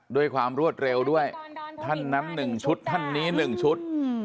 ด้วยความรวดเร็วด้วยท่านนั้น๑ชุดท่านนี้๑ชุด